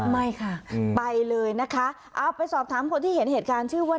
ไม่ค่ะไปเลยนะคะเอาไปสอบถามคนที่เห็นเหตุการณ์ชื่อว่า